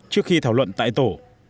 trước khi thảo luận tại tổ